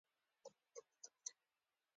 د پينځوسو کالو به و.